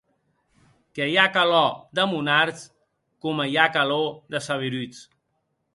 Que i a calò de monards, coma i a calò de saberuts.